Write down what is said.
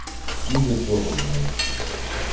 Ні до чого вже я!